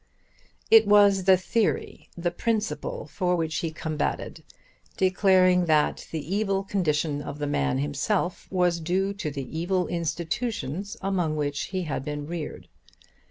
It was the theory, the principle for which he combated, declaring that the evil condition of the man himself was due to the evil institutions among which he had been reared.